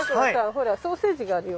ほらソーセージがあるよ。